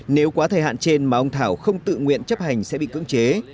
nếu quá thời hạn trên mà ông thảo không tự nguyện chấp hành sẽ bị cưỡng chế